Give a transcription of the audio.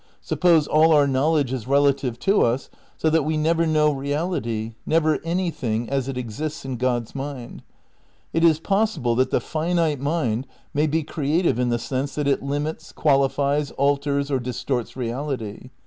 Suppose all our knowledge is relative to us, so that we never know reality, never anything as it exists in God's mind? It is possible that the finite mind may be creative in the sense that it limits, qualifies, alters or distorts reality.